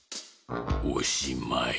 おしまい。